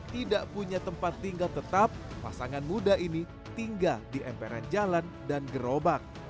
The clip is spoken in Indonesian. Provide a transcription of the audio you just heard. tidak punya tempat tinggal tetap pasangan muda ini tinggal di emperan jalan dan gerobak